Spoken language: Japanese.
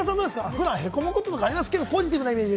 普段、へこむこととかありますか？